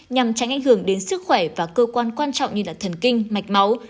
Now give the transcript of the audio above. nhằm tránh ảnh hưởng đến sức khỏe và cơ quan quan trọng như thần kinh mạch máu